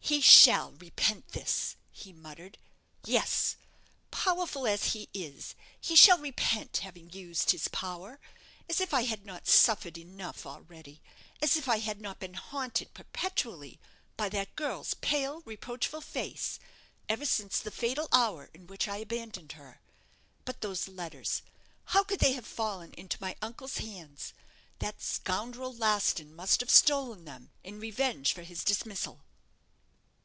"He shall repent this," he muttered. "Yes; powerful as he is, he shall repent having used his power. As if I had not suffered enough already; as if I had not been haunted perpetually by that girl's pale, reproachful face, ever since the fatal hour in which I abandoned her. But those letters; how could they have fallen into my uncle's hands? That scoundrel, Laston, must have stolen them, in revenge for his dismissal."